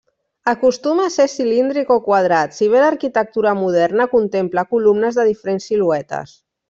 Acostuma a ser cilíndric o quadrat, si bé l'arquitectura moderna contempla columnes de diferents siluetes.